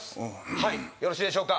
はいよろしいでしょうか？